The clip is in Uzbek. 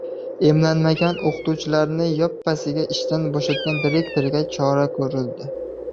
Emlanmagan o‘qituvchilarni yoppasiga ishdan bo‘shatgan direktorga chora ko‘rildi